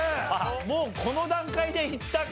もうこの段階でいったか。